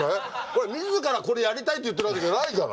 自らこれやりたいって言ってるわけじゃないから。